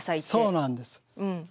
そうなんです。